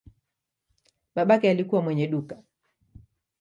Babake alikuwa mwenye duka.